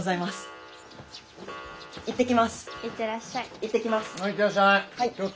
行ってきます。